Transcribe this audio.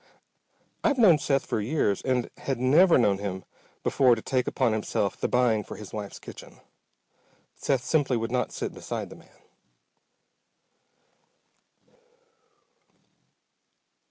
I've known Seth for years and had never known him before to take upon himself the buying for his wife's kitchen. Seth simply would not sit beside the man.